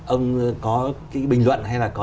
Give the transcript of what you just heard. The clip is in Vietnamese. ông có bình luận hay là có